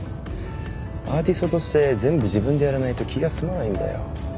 アーティストとして全部自分でやらないと気が済まないんだよ。